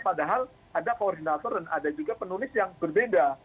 padahal ada koordinator dan ada juga penulis yang berbeda